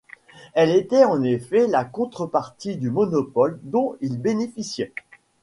Elle était en effet la contrepartie du monopole dont ils bénéficiaient.